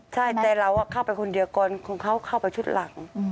ใช่แต่เราเข้าไปคนเดียวก่อนของเขาเข้าไปชุดหลัง